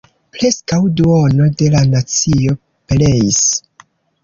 Preskaŭ duono de la nacio pereis.